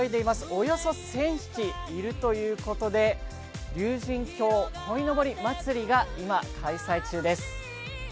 およそ１０００匹いるということで竜神峡鯉のぼりまつりが今、開催中です。